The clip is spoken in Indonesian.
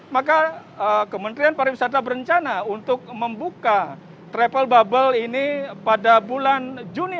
maka kementerian pariwisata berencana untuk membuka travel bubble ini pada bulan juni